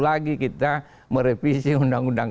lagi kita merevisi undang undang